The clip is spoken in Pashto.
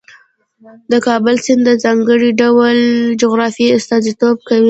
د کابل سیند د ځانګړي ډول جغرافیې استازیتوب کوي.